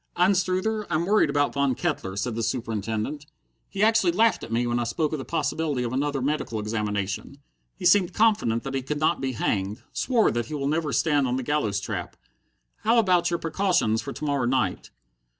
"Anstruther, I'm worried about Von Kettler," said the Superintendent. "He actually laughed at me when I spoke of the possibility of another medical examination. He seemed confident that he could not be hanged. Swore that he will never stand on the gallows trap. How about your precautions for to morrow night?"